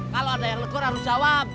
kalau ada yang legur harus jawab